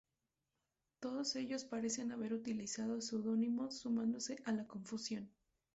Todos ellos parecen haber utilizado seudónimos, sumándose a la confusión.